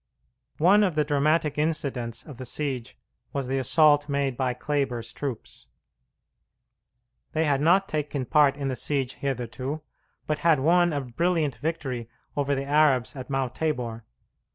One of the dramatic incidents of the siege was the assault made by Kleber's troops. They had not taken part in the siege hitherto, but had won a brilliant victory over the Arabs at Mount Tabor.